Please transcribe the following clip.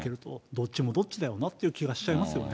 どっちもどっちだよなっていう気がしちゃいますよね。